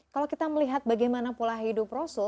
kalau kita melihat bagaimana pola hidup rasul